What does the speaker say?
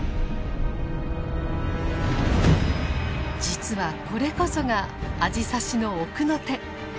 実はこれこそがアジサシの奥の手。